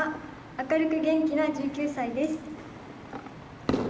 明るく元気な１９歳です。